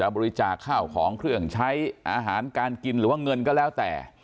บริจาคข้าวของเครื่องใช้อาหารการกินหรือว่าเงินก็แล้วแต่